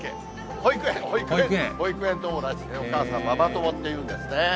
保育園、保育園友達、お母さん、ママ友っていうんですね。